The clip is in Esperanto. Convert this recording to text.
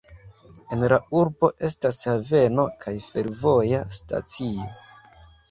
En la urbo estas haveno kaj fervoja stacio.